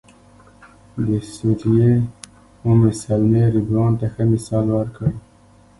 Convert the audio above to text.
د سوریې ام سلمې رضوان ته ښه مثال ورکړ.